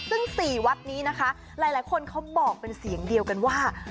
ซึ่ง๔วัดนี้นะคะหลายคนเขาบอกเป็นเสียงเดียวกันว่า